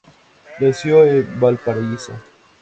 Nació en Valparaíso.